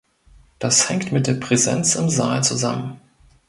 Das hängt mit der Präsenz im Saal zusammen.